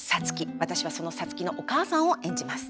私はその皐月のお母さんを演じます。